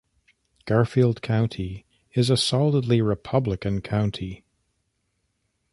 Garfield County is a solidly Republican county.